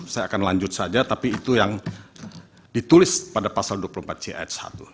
saya akan lanjut saja tapi itu yang ditulis pada pasal dua puluh empat c ayat satu